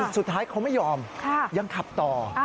สุดท้ายเขาไม่ยอมยังขับต่อ